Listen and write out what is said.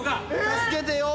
助けてよ。